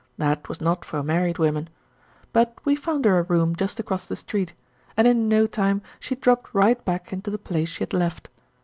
That was not for married women. But we found her a room just across the street, and in no time, she dropped right back into the place she had left.